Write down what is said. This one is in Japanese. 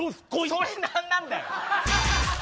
それ何なんだよ。